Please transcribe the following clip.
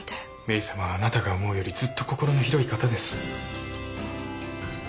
メイさまはあなたが思うよりずっと心の広い方です。